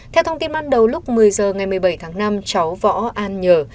theo thông tin ban đầu lúc một mươi h ngày một mươi bảy tháng năm cháu võ an nhờ